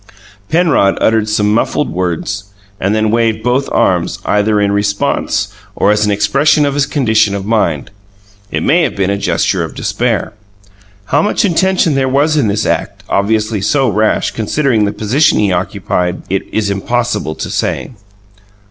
Penrod uttered some muffled words and then waved both arms either in response or as an expression of his condition of mind; it may have been a gesture of despair. How much intention there was in this act obviously so rash, considering the position he occupied it is impossible to say.